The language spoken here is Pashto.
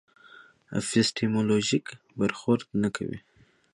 اپیستیمولوژیک برخورد نه کوي.